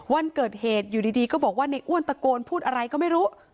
วันเกิดเหตุอยู่ดีก็บอกว่าในอ้วนตะโกนพูดอะไรก็ไม่รู้